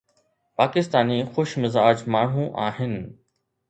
پاڪستاني خوش مزاج ماڻهو آهن.